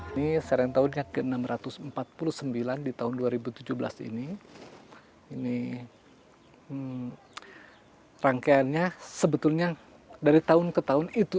ini serentaunya ke enam ratus empat puluh sembilan di tahun dua ribu tujuh belas ini ini rangkaiannya sebetulnya dari tahun ke tahun itu